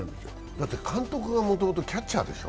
だって監督がもともとキャッチャーなんでしょ？